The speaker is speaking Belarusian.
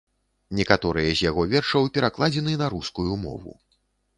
Некаторыя з яго вершаў перакладзены на рускую мову.